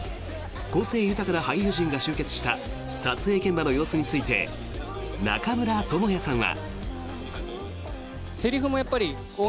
個性豊かな俳優陣が集結した撮影現場の様子について中村倫也さんは。